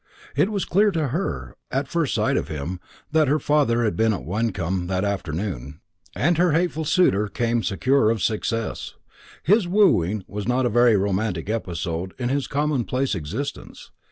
It was clear to her, at first sight of him, that her father had been at Wyncomb that afternoon, and her hateful suitor came secure of success. His wooing was not a very romantic episode in his commonplace existence.